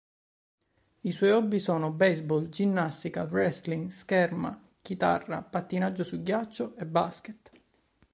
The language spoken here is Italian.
I suoi hobby sono baseball, ginnastica, wrestling, scherma, chitarra, pattinaggio su ghiaccio e basket.